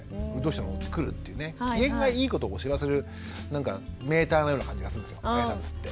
機嫌がいいことをお知らせするなんかメーターのような感じがするんですよあいさつって。